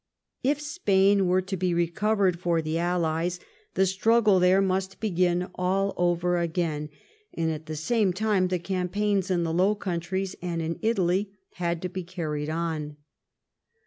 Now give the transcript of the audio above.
If Spain were to be re covered for the allies, the struggle there must begin all over again, and at the same time the campaigns in the Low Countries and in Italy had to be car ried on.